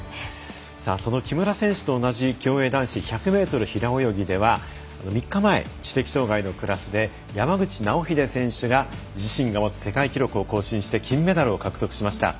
木村選手と同じ競泳男子１００ｍ平泳ぎでは３日前、知的障がいのクラスで山口尚秀選手が自身が持つ世界記録を更新して金メダルを獲得しました。